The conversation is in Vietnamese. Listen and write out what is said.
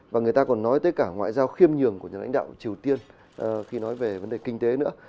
và người ta còn nói tới cả ngoại giao khiêm nhường của nhà lãnh đạo triều tiên khi nói về vấn đề kinh tế nữa